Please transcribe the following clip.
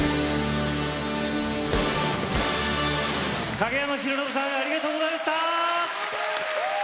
影山ヒロノブさんありがとうございました。